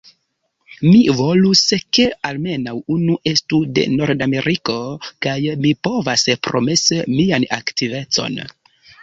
Mi volus, ke almenaŭ unu estu de Nordameriko, kaj mi povas promesi mian aktivecon.